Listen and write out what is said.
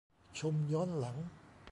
ชมย้อนหลัง